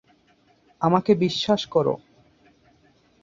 আমাকে বিশ্বাস করো।